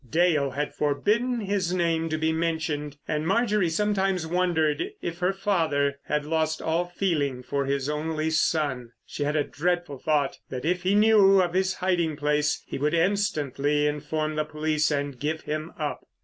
Dale had forbidden his name to be mentioned, and Marjorie sometimes wondered if her father had lost all feeling for his only son. She had a dreadful thought that if he knew of his hiding place he would instantly inform the police and give him up.